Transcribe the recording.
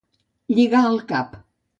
Lligar el cap.